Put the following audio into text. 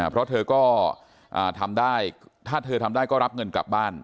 เพราะเธอก็ทำได้ถ้าเธอทำได้ก็รับเงินกลับบ้าน